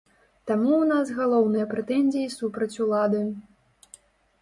Таму ў нас галоўныя прэтэнзіі супраць улады.